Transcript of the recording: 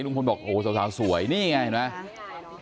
ลุงคนบอกโหสาวสาวสวยนี่ไงเห็นไหม